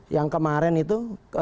yang kemarin itu